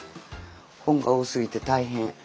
本が多すぎて大変。